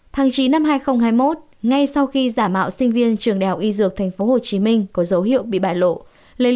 tháng chín năm hai nghìn hai mươi một ngay sau khi giả mạo sinh viên trường đại học y dược tp hcm có dấu hiệu bị bại lộ